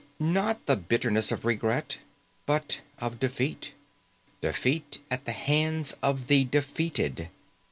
Not the bitterness of regret, but of defeat. Defeat at the hands of the defeated.